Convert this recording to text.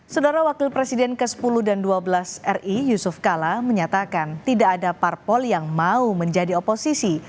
saudara wakil presiden ke sepuluh dan ke dua belas ri yusuf kala menyatakan tidak ada parpol yang mau menjadi oposisi